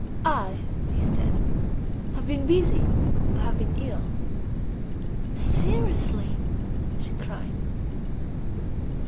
"I," he said, "have been busy. I have been ill." "Seriously?" she cried.